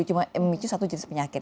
cuma memicu satu jenis penyakit